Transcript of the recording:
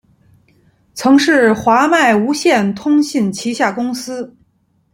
曾是华脉无线通信旗下公司。